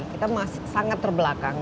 kita masih sangat terbelakang